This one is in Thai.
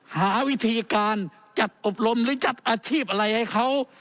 หาวิธีการจัดอบรมหรือจัดอาชีพอะไรให้เขา